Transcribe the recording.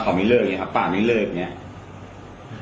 แล้วเขาไม่เลิกอย่างนี้ครับปาดไม่เลิกอย่างนี้